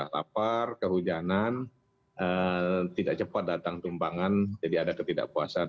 lapar kehujanan tidak cepat datang tumpangan jadi ada ketidakpuasan